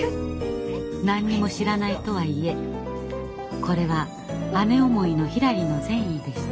何にも知らないとはいえこれは姉思いのひらりの善意でした。